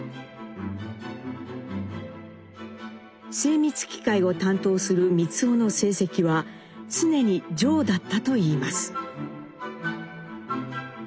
精密機械を担当する光男の成績は常に「上」だったといいます。